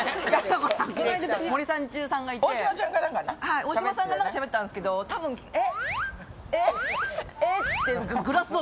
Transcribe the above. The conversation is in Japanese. この間、森三中さんがいて、大島さんがなんかしゃべったんですけどたぶん、え？